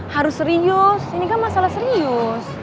harus serius ini kan masalah serius